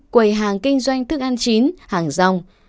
quầy hàng kinh doanh thức ăn chín hàng rong